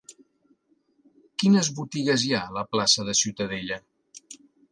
Quines botigues hi ha a la plaça de Ciutadella?